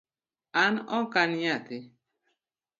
An ok an nyathi